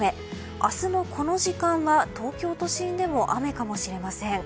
明日のこの時間は東京都心でも雨かもしれません。